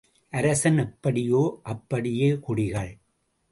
அரசன் எப்படியோ அப்படியே குடிகள்.